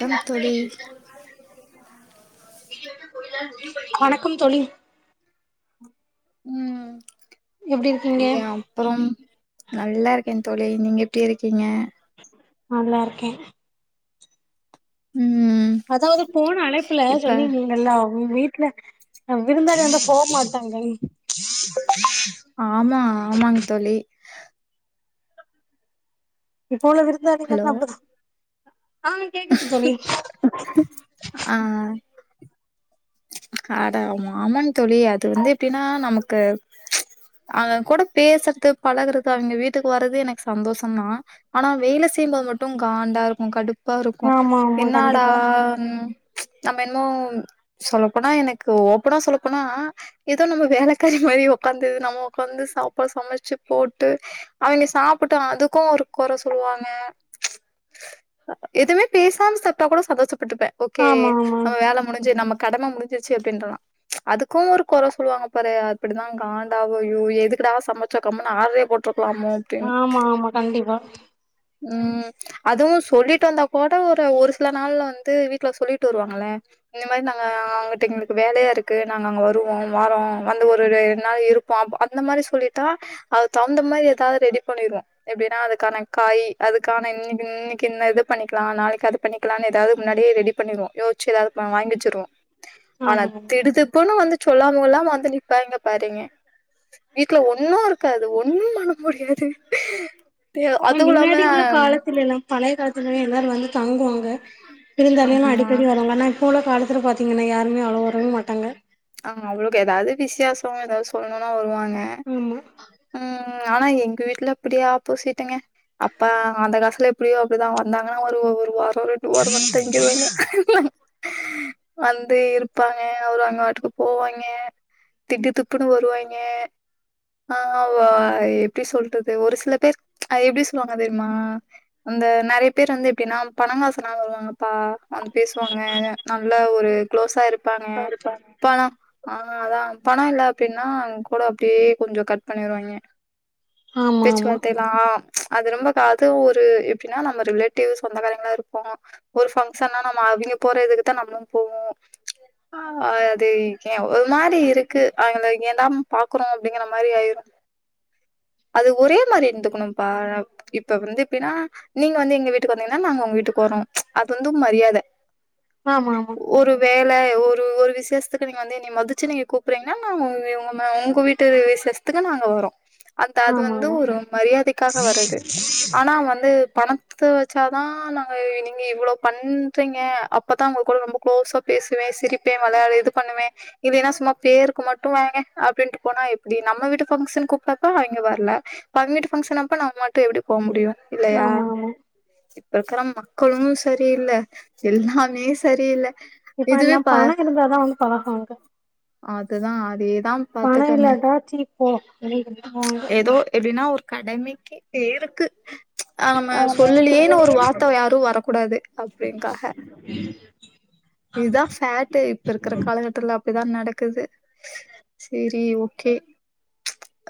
Come தோழி வணக்கம் தோழி ம் எப்டி இருக்கீங்க யாம் அப்றம் நல்லாருக்கே தோழி நீங்க எப்டி இருக்கீங்க நல்லாருக்கே ம் அதாவ்து போன அழைப்புல இப்ப சொல்லியிருந்திங்கல்ல உங்க வீட்ல விருந்தாளி வந்தா போ மாட்டாங்க ஆமா ஆமாங் தோழி இப்போ உள்ள ஹலோ விருந்தாளிங்கல்லா அப்டிதா ஆ கேக்குது தோழி ஆ அடா ஆமாங் தோழி அது வந்து எப்டின்னா நமக்கு அவங் கூட பேசறது பழகுறது அவிங்க வீட்டுக்கு வர்றது எனக்கு சந்தோஷந்தா ஆனா வேல செய்யும்போது மட்டு காண்டா இருக்கு கடுப்பா இருக்கு ஆமா ஆமா என்னடா கண்டிப்பா ம் நாம என்னமோ சொல்லப் போனா எனக்கு ஓப்பபோனா சொல்லப்போனா எதோ நம்ம வேலக்காரி மாரி உக்காந்து நம்மோ வந்து சாப்பா சமச்சு போட்டு அவுயின்னி சாப்புட்டா அதுக்கூ ஒரு கொற சொல்லுவாங்க எதுமே பேசாம சாப்ட்டா கூட சந்தோஷப்பட்டுப்ப ஓகே ஆமா ஆமா அவ வேல முடிஞ்சு நம்ம கடம முடிஞ்சிருச்சு அப்டின்றான் அதுக்கூ ஒரு கொற சொல்லுவாங்க பாரு அப்பிடிதா காண்டாவு ஐயோ எதுக்குடா சம ச்சோ கம்முனு ஆட்ரே போட்ருக்லாமோ ஆமா ஆமா கண்டிப்பா ம் அதுவு சொல்லிட்டு வந்தா கூட ஒரு ஒரு சில நாள்ல வந்து வீட்ல சொல்லிட்டு வருவாங்கள இந்த மாரி நாங்க அங்குட் டு எங்குளுக்கு வேலையா இருக்கு நாங்க அங்க வருவோ வாரோ வந்து ஒரு ரெண் நாள் இருப்போ அப் அந்த மாரி சொல்லிட்டா அது தகுந்த மாரி எதாது ரெடி பண்ணிர்வோ எப்டினா அதுக்கான காயி அதுக்கான இன்னிக்கு இன்னிக் கின்ன இது பண்ணிக்லா நாளைக்கு அது பண்ணிக்லானு எதாது முன்னாடியே ரெடி பண்ணிர்வோ யோிச்சு எதாது வா வாய்ங்வச்சுர்வோ ஆனா ஆமா ஆமா திடுதிப்புன்னு வந்து சொல்லாம் கொள்ளாம வந்து நிப்பாங்க பாருங்க வீட்ல ஒன்னு இரு காது ஒன்னு பண்ண முடியாது பே ஆ அதுவுலாம முன்னாடி உள்ள காலத்துலல்லா பழைய காலத்துலயே எல்லாரு வந்து தங்குவாங்க விருந்தாளிகலா ஆமா அடிக்கடி வருவாங்க ஆனா இப்போ உள்ள காலத்தில பாத்திகனா யாருமே அவ்ளோ வரவு மாட்டாங்க ஆமா அவுங்ளுக்கு எதாது விஷேசோ எதாது சொல்லணுனா வருவாங்க ம் ம் ஆனா எங்க வீட்ல அப்புடியே ஆப்போசிட்டுங்க அப்பா அந்த காஸ்ல எப்டியோ அப்டிதா வந்தாங்கனா ஒரு ஒரு வாரோ ரெண் டு ஓர்வந் தங்கிருவாங்கே வந்து இருப்பாங்க அவரு அங்க வாட்டுக்கு போவாய்ங்க திடு துப்புன்னு வருவாய்ங்க நாங்க வா எப்டி சொல்றது ஒரு சில பேர் அத எப்டி சொல்வாங்க தெர்மா அந்த நெறைய பேர் வந்து எப்டினா பணங்காசுனால வருவாங்கப்பா வந்து பேஸ்வாங்க நல்லா ஒரு குளோஸா இருப்பாங்க சரிங் பணோ அதா அதா பணோ இல்ல அப்டின்னா கூட அப்டியே கொஞ்சோ கட் பண்ணிருவாங்கே ஆமா ஆமா ஆமா பேச்சுவார்த்தேலா அது ரொம்பக்கா அது ஒரு எப்டினா நம்ம ரிலேட்டிவ் சொந்தகாரங்களா இருப்போ ஒரு பங்க்ஷன்னா நம்ம அவிங்க போற இதுக்குதா நம்ளு போவோ ஆ அ து இர்கே ஒரு மாரி இருக்கு அவுங்கல இங்கெல்லாம் பாக்குறோ அப்டிங்கிற மாரி ஆய்ரு அது ஒரே மாரி இர்ந்துக்குணும்பா இப்ப வந்து எப்டினா நீங்க வந்து எங்க வீட்டுக்கு வந்தீங்னா நாங்க ஒங்வீட்டுக்கு வரோ அது வந்து மரியாத ஆமா ஆமா வேலே ஒரு ஒரு விசேஷ் துக்கு நீங்க வந்து எண்ணிய மதுச்சு நீங்க கூப்புறீங்னா நாங்க உங்கே உங்கமா உங்க வீட்டு விசேஷ்த்துக்கு நாங்க வரோ அந்த அது ஆமா வந்து ஆமா ஒரு மரியாதைக்காக வரது ஆனா வந்து பண த்த வச்சாதா நாங்க நீங்க இவுளோ பண்றீங்க அப்பதா உங்க கூட ரொம்போ குளோஸா பேசுவே சிரிப்பே வளயாடி இது பண்ணுவே நீ வேனா சும்மா பேருக்கு மட்டு வாங்க அப்டின்ட்டு போனா எப்டி நம்ம வீட்டு பங்க்ஷனுக் கூப்ட்டப்ப அவிங்க வர்ல அவுங் பங்க்ஷன் அப்ப நாம் மட்டு எப்டி போ முடியு இல்லயா ஆமா ஆமா இப்ப இருக்குற மக்களுமு சரியில்ல எல்லாமே சரியில்ல இப்போ இதுவே எல்லா பா பண இருந்தாதா வந்து பழகுவாங்க அதுதான் அதேதான் பணோ பாத்துக்கங்க இல்லாட்டா ச்சி போ அப்டி விட்ருவாங்க ஏதோ எப்டின்னா ஒரு கடமைக்கு பேருக்கு அ நம்ம சொல்லலயேன்னு ஒரு வார்த்த யாரு வரக்கூடாது அப்டின்க்காக உம் இதுதா ஃபேட்டு் இப்ப இருக்கிற காலகட்டத்துல அப்டிதா நட க்குது சரி ஓகே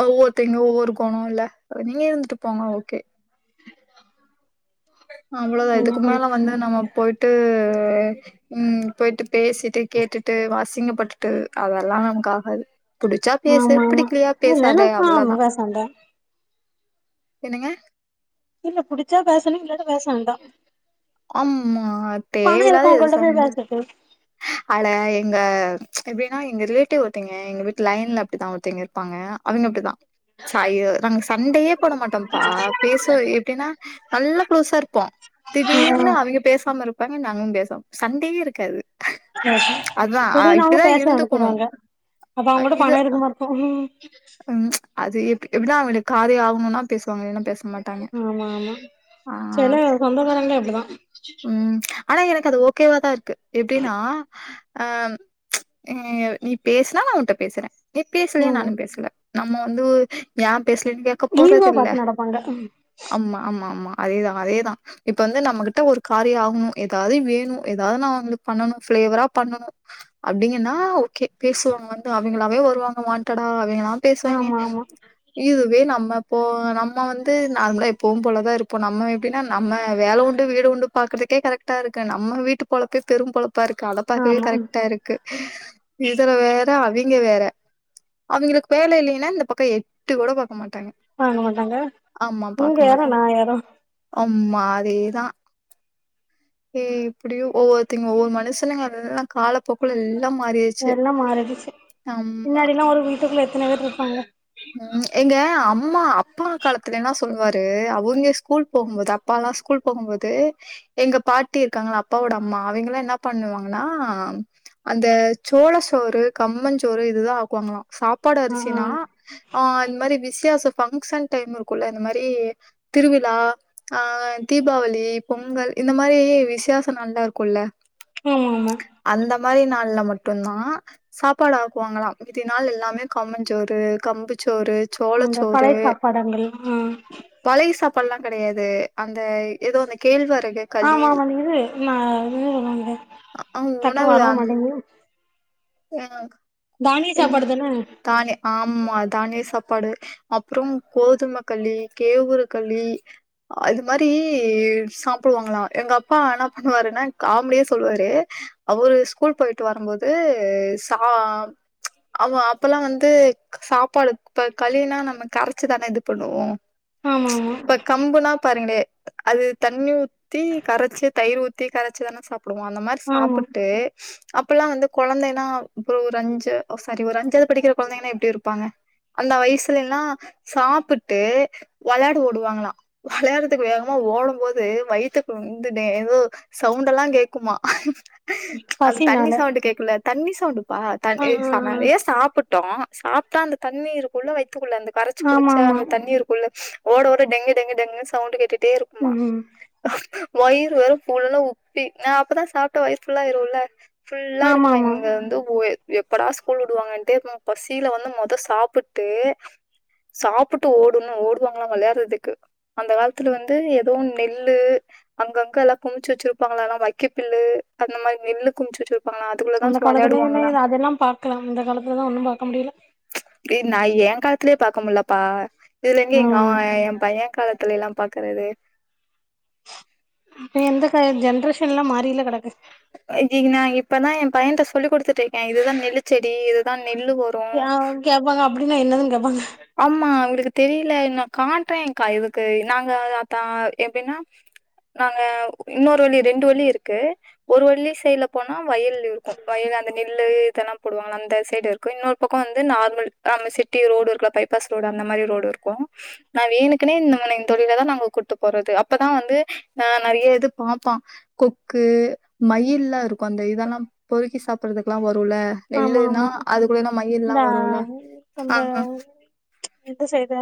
ஒவ்வொருத்தங்க ஒவ்வொரு கொண இல்ல உண்மயா இருந்துட்டு போங்க ஓகே அவ்ளோதா என்ன இதுக்கு பண்ண மேல வந்து நம்ம போயிட்டு உம் போயிட்டு பேசிட்டு கேட்டுட்டு அசிங்கப்பட்டுட்டு அதெல்லா நமக்கு ஆகாது புடிச்சா பேசு ஆமா ஆமா புடிக்கலையா இல்லன்னா பேசாதே ஆமா அவ்ளோதா பேச வேண்டா என்னங்க இல்ல புடிச்சா பேசணு இல்லாட்ட பேச வேண்டா அம்மா பணோ தேவையில்லாத எது இருக்கவங்கள்ட்ட போய் சண்ட பேசட்டு அட எங்க எப்டின்னா எங்க ரிலேட்டிவ் ஒருத்தங்க எங்க வீட்டு லைன்ல அப்டித்தா ஒருத்தங்க இப்பாங்க அவங்க அப்டிதா சாய்யொ நாங்க சண்டையே போட மாட்டோம்பா பேச எப்டின்னா நல்லா குளோஸா ருப்போ ஆ திடீர்னு அவங்க பேசாம இருப்பாங்க நாங்கலு பேசாம சண்டேயே இருக்காது அ அதான் எப்படினாலு இப்டிதான் பேச [unintelligible] இருந்துக்கணும் க்குறங்க அப்ப அவங்க கூட பணம் இருக்குமா ருக்கும் உம் அது எப் எப்டினா அவங்க காரியொ ஆகணுனா பேசுவாங்க இல்ல பேச மாட் ஆமா சில சொந்தக்காரங்களே இப்டிதா உம் ஆனா எனக்கு அது ஓகேவாதா இருக்கு எப்டின்னா ஆ நீ பேசினா நா உங்கிட்ட பேசுறே நீ பேசலையா ஆமா நானும் பேசல நம்ம வந்து ஏ பேசலன்னு கேக்க ஈகோ போறதில்ல பாத்து நடப்பாங்க அம்ம அம்ம அம அதேதா அதேதா இப்ப வந்து நம்மகிட்ட ஒரு காரியொ ஆகணு ஏதாது வேணு ஏதாது நா வந்து பண்ணணு பிளேவரா பண்ணணு அப்டிங்கன்னா ஓகே பேசுவாங்க வந்து அவங்களாவே வருவாங்க வான்டடா அவங்களா பேசுவாங்கெ ஆமா ஆமா இதுவே நம்ம இப்போ நம்ம வந்து நார்மளா எப்பவு போலதா இருப்போ நம்ம எப்டின்னா நம்ம வேல உண்டு வீடு உண்டு பாக்றதுக்கே கரெக்டா இருக்கு நம்ம வீட்டு பொழப்பே பெரும் பொழப்பா இருக்கு அத பாக்கவே ஆமா கரட்டா இருக்கு க்கு இதுல வேற அவிங்க வேற அவங்களுக்கு வேல இல்லன்னா இந்த பக்க எட்டி கூட பாக்க மாட்டாங்க வாங்க மாட்டாங்க நீங்க யாரோ நா யாரோ அம்மா அதேதா எப்டியொ ஒவ்வொருத்திங் ஒவ்வொரு மனுசனுங்க அததல கால இப்பல்லா மாறிரு எல்லா மாறிடுச்சு முன்னாடில்லா ஒரு வீட்டுக்குள்ள எத்தின பேர் ருப்பாங்க ம் எங்க அம்மா அப்பா காலத்துல என்னா சொல்வாரு அவங்க ஸ்கூல் போகும்போது அப்பா ல்லா ஸ்கூல் போகும்போது எங்க பாட்டி இருக்காங்கள அப்பாவோட அம்மா அவிங்களா என்ன பண்ணுவாங்கன்னா அந்த சோளச்சோறு கம்மஞ் சோறு இதுதா ஆக்குவாங்களா சாப்பாடு ஆமா அரிசின்னா ஆ இந்த மாரி விஷ்யாச பங்க்ஷன் டைம் இருக்குல்ல இந்த மாரி திருவிழா ஆ தீபாவளி பொங்கல் இந்த மாரி விஷ்யாச நாள்லா இருக்குல்ல ம் ஆமா அந்த மாரி நாள்ல மட்டுந்தா சாப்பாடு ஆக்குவாங்களா மீதி நாள் எல்லாமே கம்மஞ்சோறு கம்புச்சோறு இந்த சோளச்சோறு பழைய சாப்பாடுங்க நல்லா உம் பழைய சாப்ட்லா கெடையாது அந்த ஏதோ அந்த கேள்வரகு ஆமாமாங்குது இது நா என் இது சொல்லுவாங்கலே அ டக்குன்னு வரவும் மாட்டேங்குது ஆ தானிய சாப்பாடுதானே கால்லே ஆமா தானிய சாப்பாடு அப்புறம் கோதுமைக்களி கேவுரு களி அது மாரி சாப்பிடுவாங்களா எங்க அப்பா என்ன பண்ணுவாருன்னா காமெடியா சொல்லுவாரு அவரு ஸ்கூல் போய்ட்டு வரும்போது சா அவு அப்பல்லாம் வந்து சாப்பாடு இப்ப களினா நம்ம கரைச்சிதானே இது பண்ணுவோ ஆமா ஆமா இப்ப கம்புனா பாருங்ளே அது தண்ணி ஊத்தி கரைச்சு தயிர் ஊத்தி கரைச்சு தானே சாப்பிடுவோம் அந்த மாரி ஆமா சாப்பிட்டு அப்பல்லாம் வந்து குழந்தைனாம் அப்பறம் ஒரு அஞ்சு ஓ சாரி ஒரு அஞ்சாவது படிக்கிற குழந்தைங்கன்னா எப்டி இருப்பாங்க அந்த வயசுலல்லாம் சாப்பிட்டு விளையாட ஓடுவாங்களாம் விளையாறக்கு வேகமா ஓடும் போது வயிற்றுக்கு வந்து ஏதோ சவுண்ட் எல்லாம் கேக்குமா அது தண்ணி பசினால சவுண்ட் கேக்குல தண்ணி சவுண்டுப்பா த ஆ எ ஆ சம ஆ ஏஸ் சாப்பிட்டோம் சாப்டா அந்த தண்ணீருக்குள்ள வைத்துக்குள்ள அந்த கரைச்சு ஆமா குடிச்ச ஆமா அந்த தண்ணீருக்குள்ள ஓட ஓட டெங்கு டெங்கு டெங்குன்னு சவுண்டு கேட்டுட்டே இருக்குமா ம் வயிறு வேற ஃபுல்லாஉப்பி நான் அப்பதான் சாப்ட்ட வயிறு ஃபுல்லாயிரும்ல ஃபுல்லா ஆமா இருக்குமா ஆமா இங்க வந்து ஒரு எப் எப்படா ஸ்கூல் விடுவாங்கன்ட்டு பசியில வந்து மொத சாப்பிட்டு சாப்பிட்டு ஓடுணும் ஓடுவாங்களாம் விளையாறதுக்கு அந்த காலத்துல வந்து ஏதோ நெல்லு அங்க அங்க எல்லா குமிச்சு வச்சிருப்பாங்கள்ள வைக்க பில்லு அந்த மாரி நெல்லு குமிச்சுருப்பாங்கலா அந்த காலத்துலயு என்ன இது அதெல்லாம் பாக்கலாம் இந்த காலத்துலதான் ஒன்னும் பாக்க முடில ஏய் நா ஏ காலத்திலயே பாக்க முல்லப்பா இதுல எங்க அ ம் என் பைய காலத் துலல்லாம் பாக்குறது எங்கக்கா ஜென்ரேஷன் எல்லாம் மாறில கிடக்கு ஐ திங்க் நான் இப்பதான் என் பையன்ட சொல்லி கொடுத்துட்டு இருக்கேன் இதுதான் நெல்லுச்செடி இதுதான் நெல்லு ஒரு யார் கேட்பாங்க அப்டின்னா என்னது கேட்பாங்க ஆமா இவருக்கு தெரில நா காட்டுறேன் கா இவளுக்கு நாங்க அதா அப்ப எப்டின்னா நாங்க இன்னொரு வழி ரெண்டு வழி இருக்கு ஒரு வழி சைடுல போனா வயல் இருக்கு வயல் அந்த நெல்லு இதெல்லா போடுவாங்க அந்த சைடு இரு க்கு இன்னொரு பக்கோ வந்து நார்மல் நம்ம சிட்டி ரோடு இருக்குல பைபாஸ் ரோடு அந்த மாரி ரோடு இருக்கு நான் வேனுக்குனே இந்தன இந்த தொழில தான் நாங்க கூப்ட்டு போறது அப்பதான் வந்து ந நறைய இது பாப்பான் கொக்கு மயில் எல்லாம் இருக்கும் அந்த இதெல்லாம் பொறுக்கி சாப்படுறதுக்கெல்லாம் வரும்ல ஆமா நெல்லுன்னா ஆமா அதுக்குள்ள இந்த மயில் எல்லாம் வரும்ல ஆ ஆ எந்த சைடா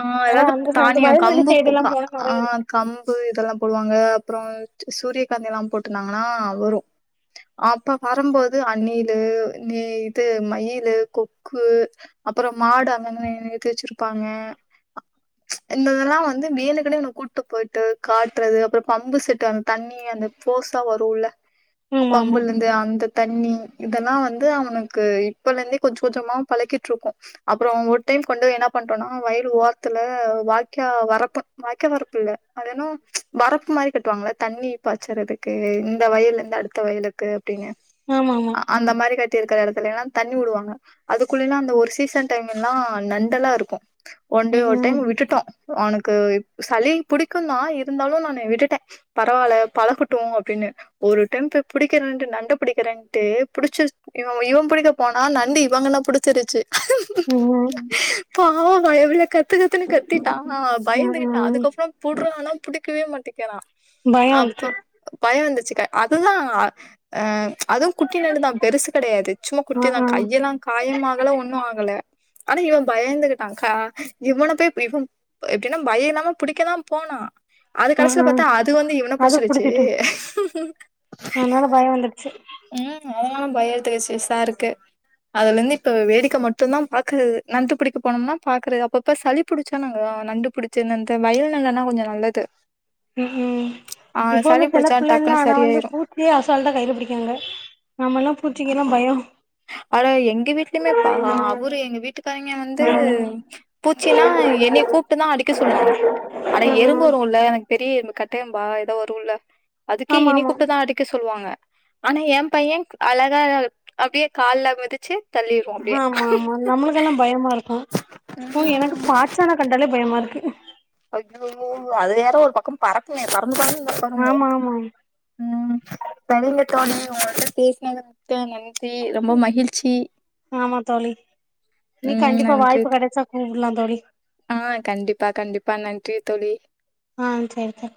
ஆ ஏதாவது தானிய கம்பு சைடு எல்லா பூக்கா போனா ஆ நெறைய இருக்கு கம்பு இதெல்லா போடுவாங்க அப்பரோ சூரியகாந்தி எல்லா போட்டுருந்தாங்கனா வரு அப்ப வரும்போது அணிலு நீ இது மயிலு கொக்கு அப்பறோ மாடு அங்க அங்க நிருத்தி வச்சிருப்பாங்க இந்த இதெல்லாம் வந்து வேனுக்குனே உன்ன கூட்டு போய்ட்டு காட்டுறது அப்பறம் பம்பு செட்டு அந்த தண்ணி அந்த, ஃபோர்ஸா வருல்ல ஆமா ஆமா பம்புல்ல இந்த அந்த தண்ணி இதெல்லா வந்து அவனுக்கு இப்பல இருந்தே கொஞ்சோ கொஞ்சமா பழக்கிட்டு இருக்கோ அப்பறோ ஒரு டைம் கொண்டுபோயி என்ன பண்டோனா வயல்லு ஓரத்துல வாக்யா வரப்பு வாக்யா வரப்பு இல்ல அதென்னவோ வரப்பு மாரி கட்டுவாங்கள தண்ணி பாய்ச்சறதுக்கு இந்த வயல்ல இருந்து அடுத்த வயலுக்கு அப்டின்னு ஆமா ஆமா ஆ அந்த மாரி கட்டிருக்கிற எடத்துல எல்லா தண்ணி விடுவாங்க அதுக்குள்ளனா அந்த ஒரு சீசன் டைம் எல்லா நண்டெல்லா இருக்கோ வந்து ம் ஒரு டைம் ம் விட்டுட்டோ அவனுக்கு சளி புடிக்குந்தா இருந்தாலு நா விட்டுட்டே பரவால்ல பழகுட்டோ அப்டின்னு ஒரு டைம்ப்ப புடிக்கறேட்டு நண்ட பிடிக்கறேன்ட்டு புடிச்சு இவன் இவன் புடிக்க போனா நண்டு இவங்கன புடிச்சிருச்சு. ம் ம் பாவோ பய புள்ள கத்து கத்துன்னு கத்திட்டா பயந்துகிட்டா ம் ம் அதுக்கப்பறோ புர்றானா புடிக்கவே மாட்டிக்கரா பயோ வந்துட்டு அப்ப பயோ வந்துச்சு அதுதா ஆ அதுவு குட்டி நண்டு தா பெருசு கெடையாது. ச்சுமா ஆ குட்டி தா ஆ கையெல்லா காயம் ஆகல ஒண்ணும் ஆகல ஆனா இவன் பயந்து அக்கா இவன போய் இவன் எப்படின்னா பயோ இல்லாம புடிக்கதா போனா அது ம் கடசில ம் பாத்தா அது வந்து இவன அது புடிச்சிருச்சு புடிச்சிட்டு அதனால பயோ வந்துட்டு சரி ம் அதா பய தேசி சாருக்கு அதுல இருந்து இப்ப வேடிக்க மட்டுந்தா பாக்குறது நண்டு பிடிக்க போனம்னா பாக்கற அப்பப்ப சளி பிடிச்சா நாங்க நண்டுபிடிச்சு ந்த வயல் நல்லன்னா கொஞ்சோ நல்லது ம் ம் ஆ இப்ப உள்ள சளி புடிச்சா செலப்புள்ளல்லா டக்குன்னு ஆனா வந்து சரியாயிரு பூ ச்சியே அசால்ட்டா கைல பிடிக்காங்க நம்மல்லா பூச்சிங்கல்லா பயோ அட எங்க வீட்லியுமே பா அவரு எங்க வீட்டுக்காரைங்க வந்து பூச்சின்னா என்னய கூப்பிட்டு தா அடிக்க சொல்லுவாங்க அட ம் எறும்பு ம் ல்ல எனக்கு பெரிய எறும்பு கட்ட எறும்பா ஏதோ வரும்ல அதுக்கே ஆமா என்னைய ஆமா கூப்டு தா அடிக்க சொல்லுவாங்க ஆனா ஏ பையே அழகா அப்டியே கால்ல மிதிச்சி ஆமா ஆமா நம்மளுக்கெல்லா பயமா இருக்கும் ஓ ம் எனக்கு பாச்சான கண்டாலே பயமா இருக்கு. அய்யயோ அது வேற ஒரு பக்கம் பறக்குமே பறந்து பறந்து வருமே ஆமா ஆமா ம் சரிங்க தோழி ஒங்கள்ட்ட பேசினது மிக்க நன் ச்சி ரொம்ப மகிழ்ச்சி ஆமா தோழி ம் நன்றி ம் உடலா தோழி ஆ கண்டிப்பா கண்டிப்பா நன்றி தோழி ஆ செரி தோழி